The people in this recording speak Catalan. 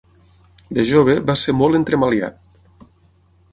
De jove va ser molt entremaliat.